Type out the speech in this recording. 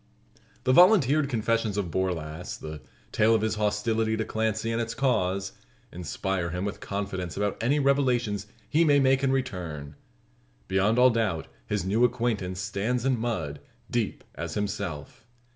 The volunteered confessions of Borlasse the tale of his hostility to Clancy, and its cause inspire him with confidence about any revelations he may make in return. Beyond all doubt his new acquaintance stands in mud, deep as himself.